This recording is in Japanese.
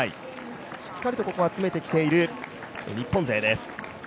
しっかりとここは詰めてきている日本勢です。